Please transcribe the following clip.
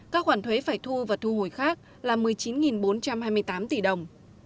các khoản thuế phải thu và thu hồi khác là một mươi chín bốn trăm hai mươi tám tỷ đồng